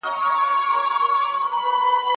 د شرعي او فقهي قواعدو اساس څه دی؟